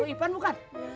lo ipan bukan